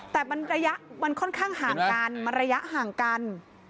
แต่มันระยะมันค่อนข้างห่างกันมันระยะห่างกัน